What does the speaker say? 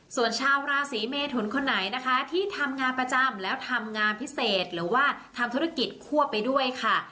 ส่วนชาวราศีเมทุนคนไหนนะคะที่ทำงานประจำแล้วทำงานพิเศษหรือว่าทำธุรกิจคั่วไปด้วยค่ะ